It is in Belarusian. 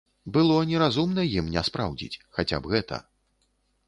Было неразумна ім не спраўдзіць, хаця б гэта.